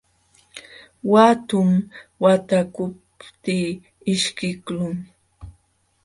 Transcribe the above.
Watum wataqluptii ishkiqlun.